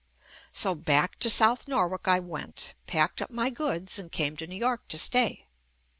So back to South Norwalk I went, packed up my goods and came to New York to stay.